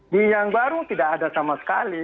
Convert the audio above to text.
di yang baru tidak ada sama sekali